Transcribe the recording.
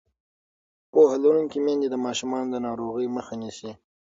پوهه لرونکې میندې د ماشومانو د ناروغۍ مخه نیسي.